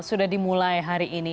sudah dimulai hari ini